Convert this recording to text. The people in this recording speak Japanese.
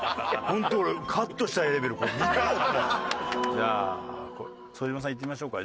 じゃあ副島さんいってみましょうか。